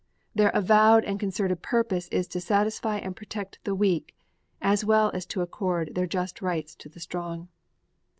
Their avowed and concerted purpose is to satisfy and protect the weak as well as to accord their just rights to the strong.